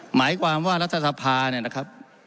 หมายความว่ารัฐสภาเนี่ยนะครับ